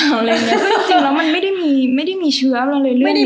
จริงแล้วมันไม่ได้มีเชื้ออะไรเลยเรื่องนี้